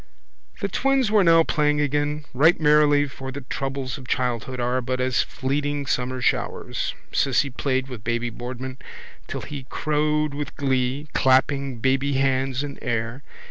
The twins were now playing again right merrily for the troubles of childhood are but as fleeting summer showers. Cissy Caffrey played with baby Boardman till he crowed with glee, clapping baby hands in air.